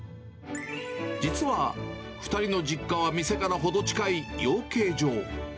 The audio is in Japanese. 実は２人の実家は店から程近い養鶏場。